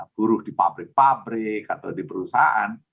buruh di pabrik pabrik atau di perusahaan